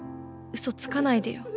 嘘つかないでよ。